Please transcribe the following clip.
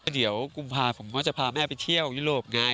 เดี๋ยวกุมภาผมก็จะพาแม่ไปเที่ยวยุโรปไง